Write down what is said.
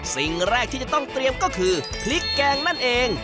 สิ่งแรกที่จะต้องเตรียมก็คือพริกแกงนั่นเอง